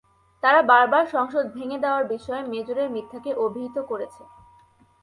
তারা বার বার সংসদ ভেঙে দেওয়ার বিষয়ে মেজরের মিথ্যাকে অভিহিত করেছে।